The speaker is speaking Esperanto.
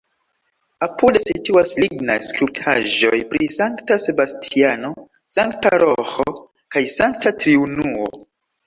Apude situas lignaj skulptaĵoj pri Sankta Sebastiano, Sankta Roĥo kaj Sankta Triunuo.